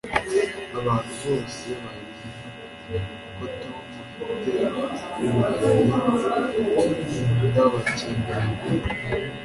abantu bose bazi ko tom afite ubumenyi bwabakene